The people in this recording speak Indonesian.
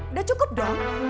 udah cukup dong